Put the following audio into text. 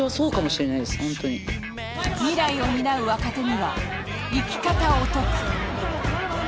未来を担う若手には生き方を説く。